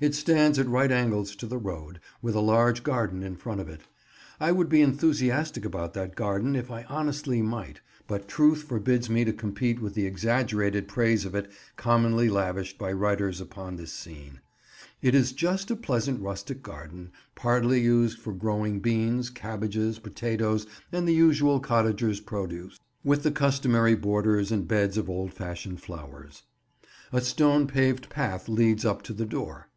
It stands at right angles to the road, with a large garden in front of it. I would be enthusiastic about that garden if I honestly might, but truth forbids me to compete with the exaggerated praise of it commonly lavished by writers upon this scene. It is just a pleasant rustic garden, partly used for growing beans, cabbages, potatoes and the usual cottager's produce; with the customary borders and beds of old fashioned flowers. A stone paved path leads up to the door.